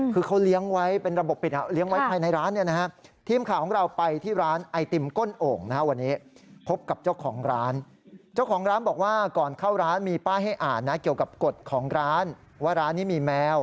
คือเขาเลี้ยงไว้เป็นระบบปิดเลี้ยงไว้ภายในร้านนี่นะครับ